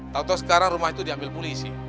tau tau sekarang rumah itu diambil polisi